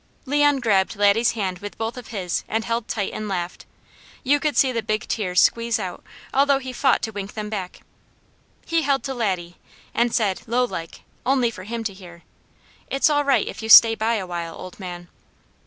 Leon grabbed Laddie's hand with both of his and held tight and laughed. You could see the big tears squeeze out, although he fought to wink them back. He held to Laddie and said low like, only for him to hear: "It's all right if you stay by a while, old man."